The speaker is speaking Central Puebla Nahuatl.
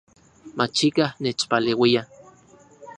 Machikaj nechpaleuia